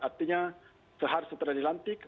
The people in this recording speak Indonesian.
artinya seharusnya setelah dilantik